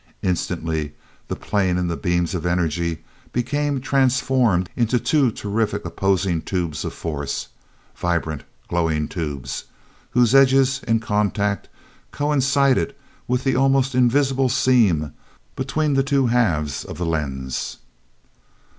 Instantly the plane and the beams of energy became transformed into two terrific opposing tubes of force vibrant, glowing tubes, whose edges in contact coincided with the almost invisible seam between the two halves of the lens.